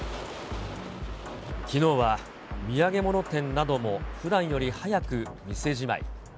きのうは土産物店などもふだんより早く店じまい。